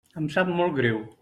Em sap molt greu.